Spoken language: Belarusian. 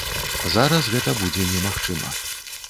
Зараз гэта будзе немагчыма.